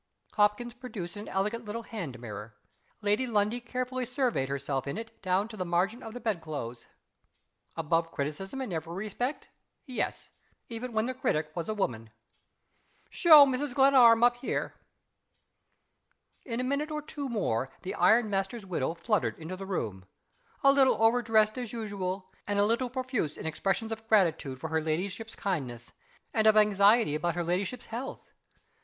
Hopkins produced an elegant little hand mirror. Lady Lundie carefully surveyed herself in it down to the margin of the bedclothes. Above criticism in every respect? Yes even when the critic was a woman. "Show Mrs. Glenarm up here." In a minute or two more the iron master's widow fluttered into the room a little over dressed as usual; and a little profuse in expressions of gratitude for her ladyship's kindness, and of anxiety about her ladyship's health.